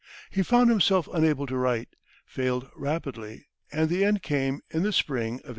He found himself unable to write, failed rapidly, and the end came in the spring of 1864.